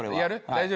大丈夫？